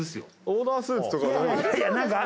オーダースーツとか。